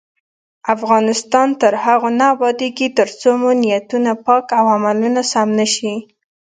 افغانستان تر هغو نه ابادیږي، ترڅو مو نیتونه پاک او عملونه سم نشي.